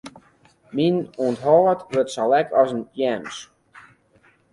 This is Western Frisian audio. Myn ûnthâld wurdt sa lek as in tjems.